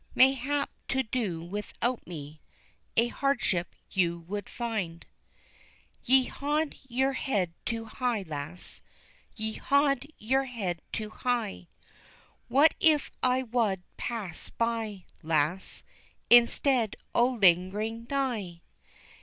Mayhap to do without me, A hardship you would find. Ye haud yer head too high, lass, Ye haud yer head too high, What if I wad pass by, lass, Instead o' lingerin' nigh?